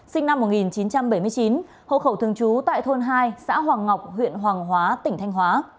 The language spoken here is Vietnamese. sinh năm một nghìn chín trăm bảy mươi chín hộ khẩu thường trú tại thôn hai xã hoàng ngọc huyện hoàng hóa tỉnh thanh hóa